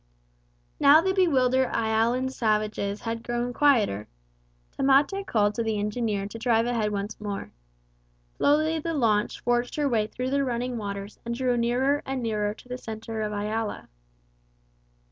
Now the bewildered Ialan savages had grown quieter. Tamate called to the engineer to drive ahead once more. Slowly the launch forged her way through the running waters and drew nearer and nearer to the centre of Iala.